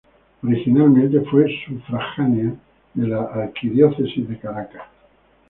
Originalmente fue sufragánea de la Arquidiócesis de Caracas.